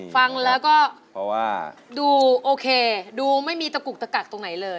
ฟังแล้วก็ดูโอเคดูไม่มีตะกุกตะกักตรงไหนเลย